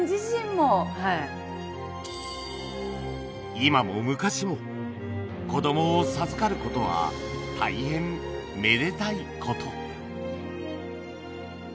今も昔も子供を授かることは大変めでたいこと